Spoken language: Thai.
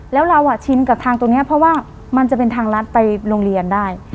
แล้วเราชินกับทางตรงนี้เพราะว่ามันจะเป็นทางรัฐไปโรงเรียนได้